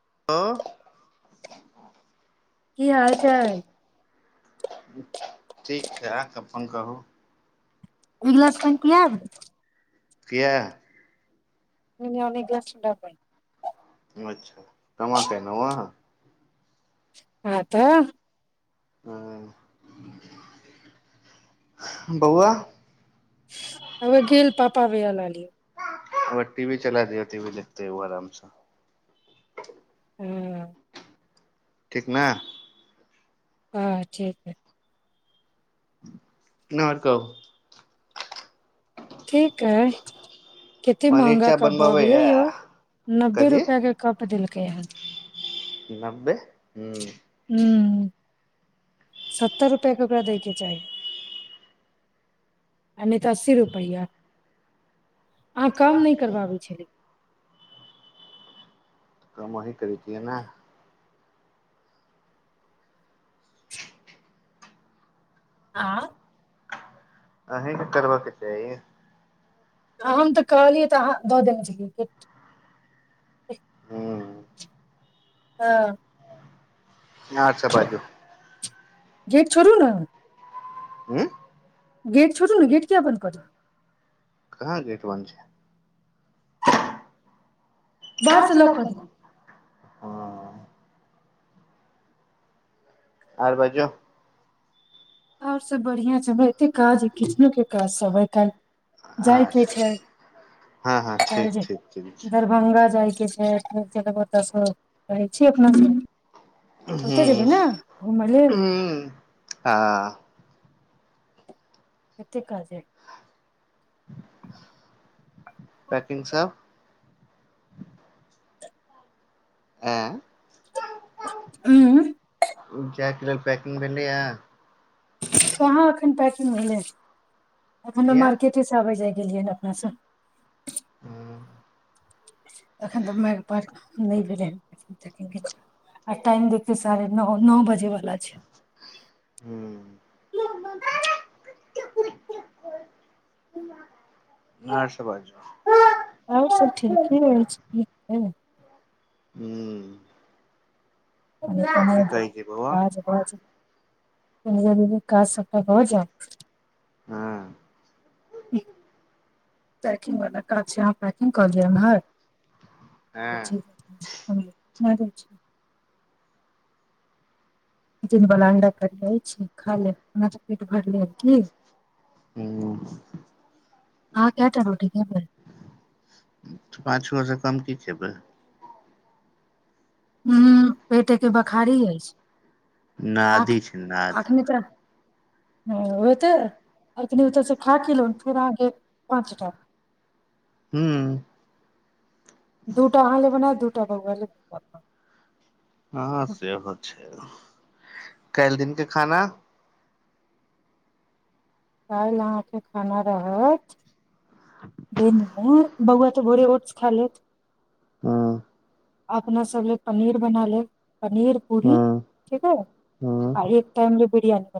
Hello की हाल चाल [inaudible] ठीक छै अहाँ कहूँ अपन कहू एक गिलास पाइन पियाब किया ओहि नामे [unintelligible] अच्छा कमा कऽ एलू हँ हँ तऽ हँ बौआ हबे गेल पापा भैय लाली ओकरा टीवी चला देयो टीवी देखतै ओ आरामसँ हुँ ठीक न हँ ठीक हइ न तो ठीक है कतेक पनीर महँगा चाप कप भऽ गेलै बनबबैये यौ नब्बे कथी रुपैयाकेँ कप देलकै हन नब्बे हूँ हूँ सत्तर रुपया के ओकरा दै के चाही आ नहि तऽ अस्सी रुपैया अहाँ काम नहि करबाबै छलि काम आही करे छऐ न आँ अही न करबा के चाही हम तऽ कहलियै तऽ अहाँ दऽ देने छलै हू हँ अच्छह बाजू गेट छोरु न हूँ गेट छोरू न गेट किया बन्द क देलिये कहाँ गेट बन्द छै बाहरसँ लोक लॉक क कऽ दे दौ हँ आर बाजू आओर सब बढ़िआ छै हमरा एते काज किचनो के काज सब ए काइल जाय के अच्छा छै हँ हँ ठीक काइल ठीक ठीक छै दरभंगा जाय छै फेर तकर बाद फेर ओतअ सँ कहैय छी एक महिना हु लेल हु आ एते काज यह पैकिंग सब ऐअ [unintelligible] जायके लेल पैकिंग भेलै अ कहाँ एखन पैकिंग भेलै एखन न किया मार्केटे आबै जाइ गेलियनि अपना सँ हँ तखन तऽ माइर नइ भेलै आ टाइम देखिय साढ़े नो नै बजे बला हू और सब बाजू आओर सब ठीके अछि बुझलिये हु नइ त नइ एबै काज भऽ जाई जरूरी काज सँ त हो जा हँ पैकिंग वाला कज छै अहाँ हँ क [unintelligible] लागल छै जिन बल अण्डा कटैइ छै खा लेब हमरा तऽ पेट भरल अ की हूँ आहाँ कय टा रोटी खेबै पाँच गोऽ सँ कम की खेबै हु पेटे के ब खारी अछि आख नदी छै नाद हँ ओते अखनि ओतअ सँ खा कऽ की एलो फेर अहाँके पाँच टा हु दूटा अहाँ ल बना दूटा बोआ ल हँ सेहो छै काइल दिन के खाना क इल अहाँके खाना रहत दिन मऽ बौआ त भोरे ओट खा लेत हँ अपना सब लऽ पनीर बना लेब पनीर पूरी हूँ ठीक हइ आ एक टाइम लऽ बिरयानी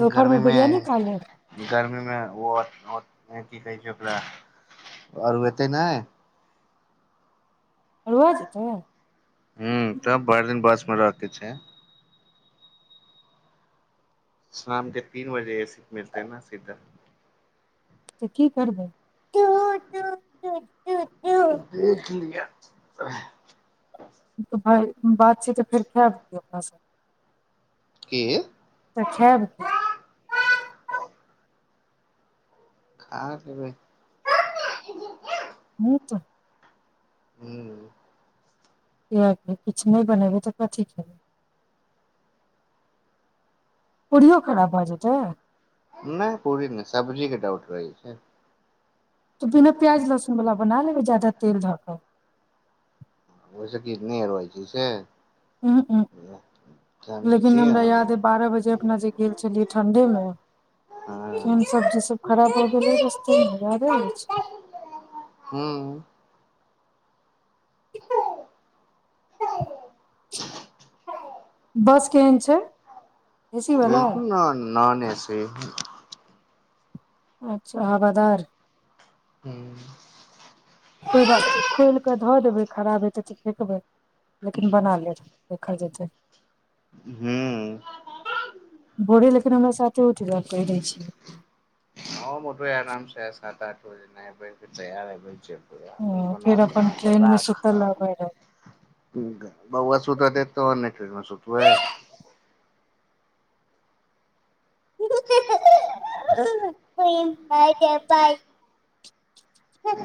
दोपहर मे गर्मीमे बिरियानी खा लेब गर्मीमे ओ अथि ओ की कहै छै ओकरा अरुएतै नइ अरुआ जेतै हु तब भर दिन बस मे रहतै से शाम के तीन बजे एसी मिलतेै न सीधा तऽ की करबै टूट टूट टूट टूट टूट। देख लिय अह तऽ भई बात छै तऽ फेर खैब की अपना सब की तऽ खैब की पापा खा लेबै ह तऽ हू किएकि किछु नहि बनेबै तऽ कथी खेबै पूरियो खराब भऽ जेतै नइ पूरी नइ सब्जी के डाउट होइ य फेन तऽ बिना प्याज लहसुन वला बना लेबै ज्यादा तेल धऽ कऽ ओैइ सँ कितनी रहै छै से उंहू उंहू समझ लेकिन छियै। हमरा याद अय बारह बजे अपना जे गेल छलियै ठण्ढेमे केहन सब्जी सभ खराब भऽ गेलै रस्तेमे यादे अछि बस केहन छै एसी वाला देखु नऽ नन एसी अच्छा हवादार हूँ कोइ बात नहि खोलि कऽ धऽ देबै खराब हेतै तऽ फेकबै लेकिन बना लेब देखल जेतै बोरे लेकिन हमरा साथे [inaudible] छियै हम उठबै अखन सेह सात आठ बजे नहे बनि के तैयार हेबै जेबै अपन ह बना फेर अपन सोना कऽ ट्रेन मे सुतल राखब रहबै रहे बौआ सुतऽ देत तहन ने फेरमे सुतबै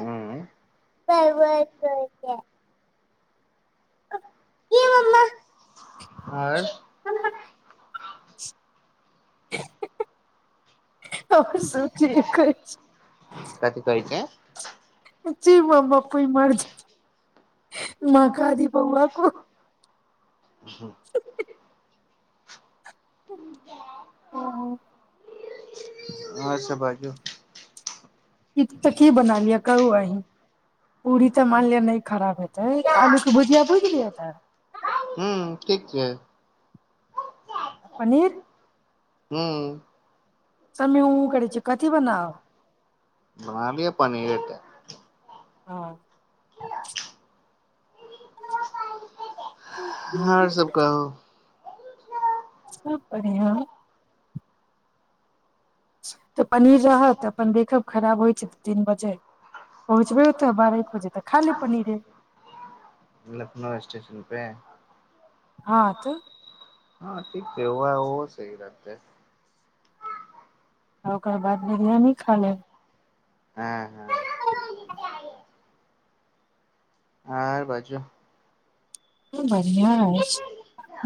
हूँ कि मम्मा आर [unintelligible] सभ के सोचे एकै छै कथी कहै छैै जी मम्मा कोइ मरज महकादी बौआ को [unintelligible] ही ही [unintelligible] हँ हँ आओर सभ बाजू तऽ की बना लिय कहू अहीं पूरी तऽ मानि लिय नहि खराब हेतै आलूके भुजिया भुज लियै तऽ हँ ठीक छै पनीर हूँ सबमे उं उं करै छिये कथी बनाउ बना लिय पनीरे टा हँ [inaudible] हँ आओर सब कहू खूब बढ़ियां तऽ पनीर रहत अपन देखब खराब होइ छै दू तीन बजे पहुँचबै ओतय बारह एक बजे तऽ खा लेब पनीरे लखनउ स्टेशन पे हँ तऽ हँ ठीक छै ओए ओहो सहि रहतै आ ओकर बाद बिरयानी खा लेब हँ हँ आओर बाजियौ बढ़िआं ह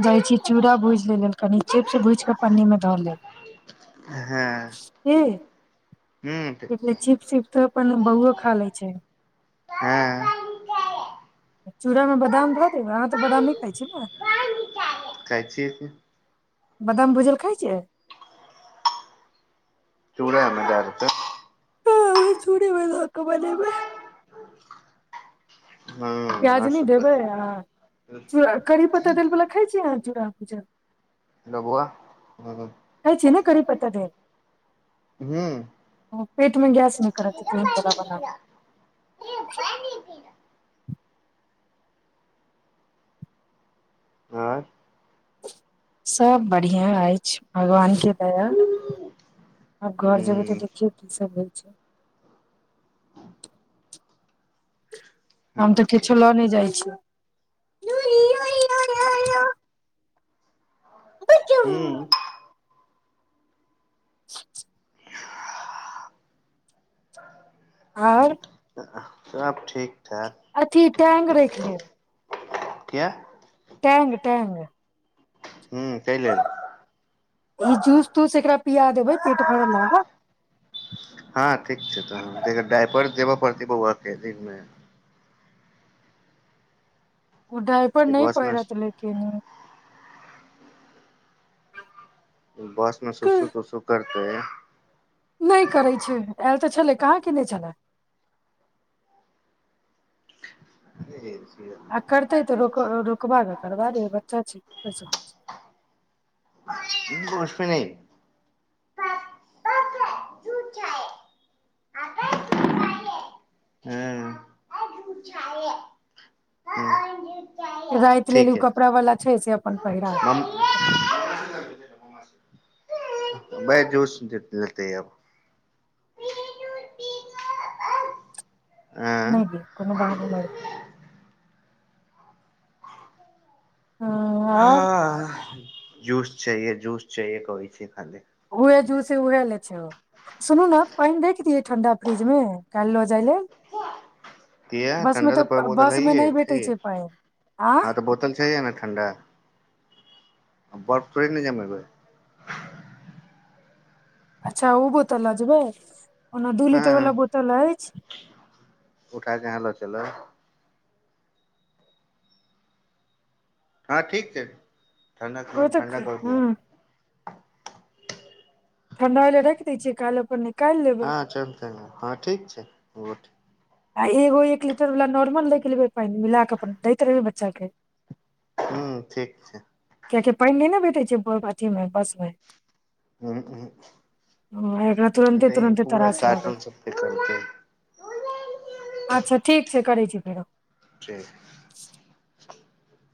जाइ छी चूड़ हूँ भूजि ल लेल कनि चिप्स भूज कऽ पन्नी मे धऽ लेल हँ कल चिपिप तऽ अपन बहुओ खा ले छै चूड़ामे बादाम धऽ देब अहाँ तऽ बादाम नहि खाइ छिय ने खाइ छियै की बादाम भुजल खाय छियै चूड़ एहिमे दे देतै हमहूं चुरेमे धऽ कऽ बनेबै हँ प्याज आओर नहि सब देबै बाजू आ करीब पता देलवला खाइ छी अहाँ चूड़ा भूजा हेलो बुआ खाय छिय न करी पत्ता देल हूँ हुँ पेठमे गैस नहि करत करी पत्ता बला सभ बढ़िआँ अछि भगवानके दया आब घर जेबै तऽ देखियौ कीसभ होइ छै हम तऽ ओके किछो लऽ नहि जाइ छी हुँ [unintelligible] आओर सबब ठीक ठाक अथी टैग राखि लेब किया टंग टंग ह कै लेल ई जूस तूस एकरा पिया देबै पेट भरल रहत हँ ठीक छै तऽ डायपर देबऽ पड़त बौआके दिनमे उ डायपर ई नहि बस मे पहिरह त लेकिन बस मे सुसू तोसू कर तऽ [inaudible] नहि करै छै आयल तऽ छलै कहाँ केने छलय आ करतै तऽ र रुकबा करबा देब बच्चा छैै बसमे नहि राति लेल ओ ठीक है कपड़ा वालला छै से अपन पहिरा मम दियौ पय जोश लेते अपन आँ नहि कोनो बाद मे हँ आओर हँ जूस छैहे जूस छेहे कहे छै खाली उएह जूस हे उएह लै छौ सुनू ने पानि राखि दियै ठण्डा फ्रिजमे काल्हि लऽ जाय लेल इहा एखन बस मे ठण्डा तऽ पर बोतल बस मे है नहि छै भेटै पानि आ हँ तऽ बोतल छै य ने ठण्डा बरफ फेर नेय जमैबै अच्छा उ हो तऽ ल जेबै ओना दू हँ लीटर वालला बोतल अछि कालिह जेना ल चलब हँ ठीक छै ठण्डा ओ त ठण्डा हँ कर दियौ [unintelligible] ठंढ़ा होइएलय राखि दैय छिय छै कालिह अपन निकालि लेबै हँ चलत हँ ठीक छै आठ आय एगो एक लीटरवला नॉर्मल राखि लेबै पानि मिला कऽ अपन दैत रहबै बच्चाकेँ हूँ ठीक छै कियकि पानि नहि ने भेटै छै ब अथी मे बस मे एकरा तुरते तुरते पूरा त्रास लागै कार्टून छै सब पे करतै अच्छा ठीक से करै छी फेरो [unintelligible]